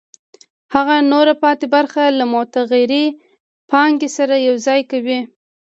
هغه نوره پاتې برخه له متغیرې پانګې سره یوځای کوي